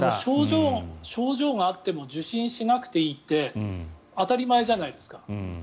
症状があっても受診しなくていいって当たり前じゃないですか。